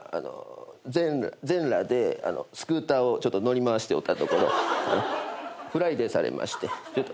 全裸でスクーターをちょっと乗り回しておったところフライデーされまして。